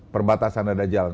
perbatasan ada jalan